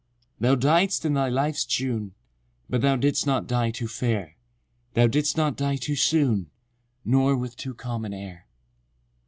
IX. Thou died'st in thy life's June— But thou did'st not die too fair: Thou did'st not die too soon, Nor with too calm an air.